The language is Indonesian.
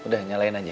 udah nyalain aja